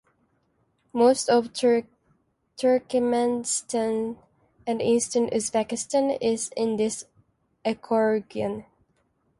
Most of Turkmenistan and eastern Uzbekistan is in this ecoregion.